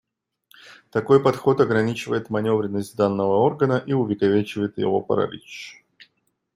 Такой подход ограничивает манёвренность данного органа и увековечивает его паралич.